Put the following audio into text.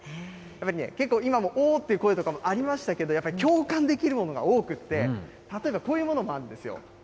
やっぱりね、結構今もおーって声もありましたけれども、やっぱり共感できるものが多くて、例えばこういうものもあるんですよ。